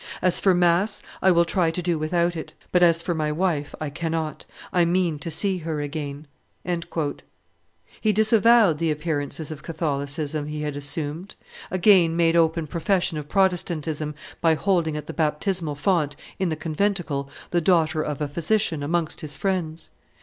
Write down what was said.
As for mass, I will try to do without it; but as for my wife, I cannot; I mean to see her again." He disavowed the appearances of Catholicism he had assumed, again made open profession of Protestantism by holding at the baptismal font, in the conventicle, the daughter of a physician amongst his friends.